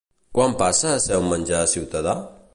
Quan passa a ser un menjar ciutadà?